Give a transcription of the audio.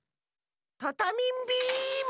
タタミンビーム！